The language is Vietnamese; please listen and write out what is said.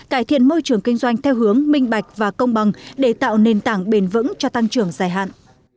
cải thiện môi trường kinh doanh theo hướng minh bạch và công bằng để tạo nền tảng bền vững cho tăng trưởng dài hạn